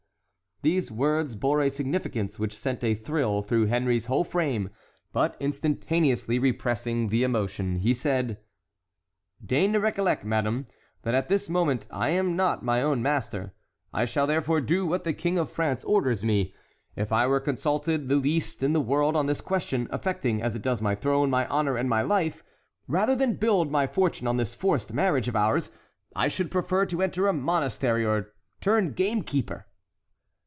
These words bore a significance which sent a thrill through Henry's whole frame; but instantaneously repressing the emotion, he said: "Deign to recollect, madame, that at this moment I am not my own master; I shall therefore do what the King of France orders me. If I were consulted the least in the world on this question, affecting as it does my throne, my honor, and my life, rather than build my future on this forced marriage of ours, I should prefer to enter a monastery or turn gamekeeper."